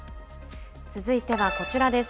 続いてはこちらです。